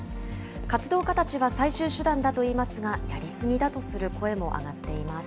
活動家たちは最終手段だと言いますが、やり過ぎだとする声も上がっています。